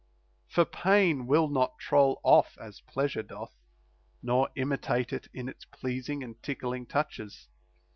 For pain will not troll off as pleasure doth, nor imitate it in its pleasing and tickling touches.